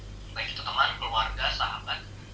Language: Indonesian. baik itu teman keluarga sahabat